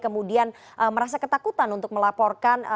kemudian merasa ketakutan untuk melaporkan